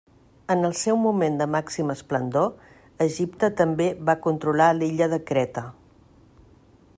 En el seu moment de màxima esplendor, Egipte també va controlar l'illa de Creta.